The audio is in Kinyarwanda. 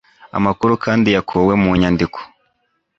amakuru kandi yakuwe mu nyandiko